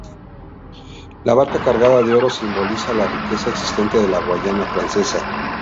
La barca cargada de oro simboliza la riqueza existente en la Guayana Francesa.